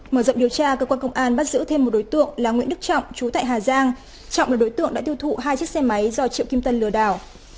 mở rộng điều tra cơ quan công an bắt giữ thêm một đối tượng là nguyễn đức trọng chú tại hà giang trọng là đối tượng đã tiêu thụ hai chiếc xe máy do triệu kim tân lừa đảo